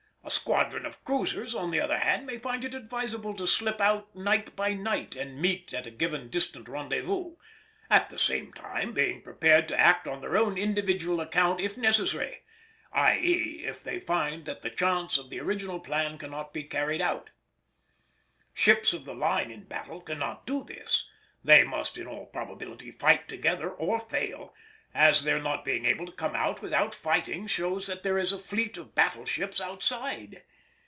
A squadron of cruisers, on the other hand, may find it advisable to slip out night by night and meet at a given distant rendezvous, at the same time being prepared to act on their own individual account if necessary; i.e. if they find that the chance of the original plan cannot be carried out. Ships of the line of battle cannot do this. They must in all probability fight together or fail, as their not being able to come out without fighting shows that there is a fleet of battle ships outside.